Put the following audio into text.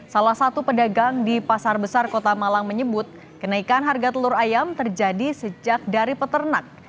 salah satu pedagang di pasar besar kota malang menyebut kenaikan harga telur ayam terjadi sejak dari peternak